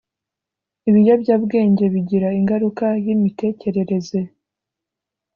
Ibiyobyabwenge bigira ingaruka y’imitekerereze